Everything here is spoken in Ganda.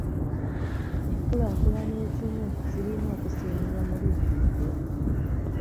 Enkulaakulana ezimu zirina okusiimibwa mu lujjudde.